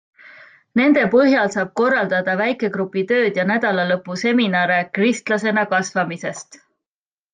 Nende põhjal saab korraldada väikegrupi tööd ja nädalalõpuseminare kristlasena kasvamisest.